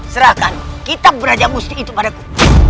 serahkan kitab beranjak musni itu padaku